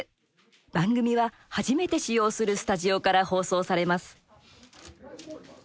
番組は初めて使用するスタジオから放送は行われます。